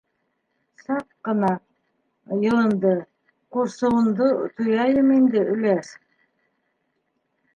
- Саҡ ҡына... йылынды, ҡурсыуынды тояйым инде, өләс!